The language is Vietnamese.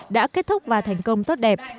đã kết thúc và thành công tốt đẹp